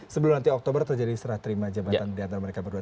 sebelum nanti oktober terjadi serah terima jabatan diantara mereka berdua